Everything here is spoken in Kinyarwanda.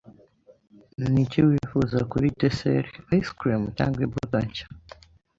Niki wifuza kuri dessert, ice cream cyangwa imbuto nshya?